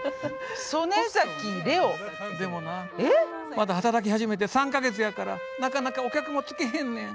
まだ働き始めて３か月やからなかなかお客も来てへんねん。